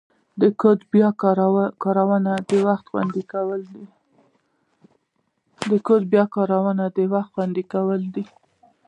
د کوډ بیا کارونه وخت خوندي کوي.